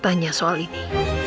atau siapa yang bisa dipercaya